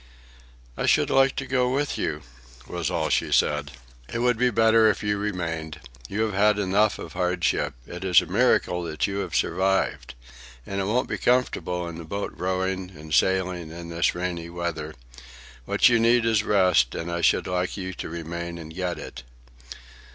"I should like to go with you," was all she said. "It would be better if you remained. You have had enough of hardship. It is a miracle that you have survived. And it won't be comfortable in the boat rowing and sailing in this rainy weather. What you need is rest, and I should like you to remain and get it."